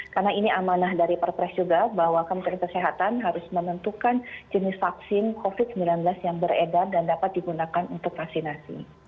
karena ini amanah dari perpres juga bahwa menteri kesehatan harus menentukan jenis vaksin covid sembilan belas yang beredar dan dapat digunakan untuk vaksinasi